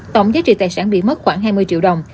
tổng giá trị tài sản bị mất khoảng hai mươi triệu đồng